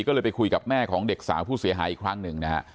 ก็เลยไปคุยกับแม่ของเด็กสาวผู้เสียหายอีกครั้งหนึ่งนะฮะ